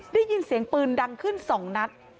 ได้ยินเสียงปืนดังขึ้น๒นัด